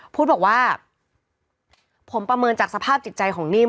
พุทธบอกว่าผมประเมินจากสภาพจิตใจของนิ่ม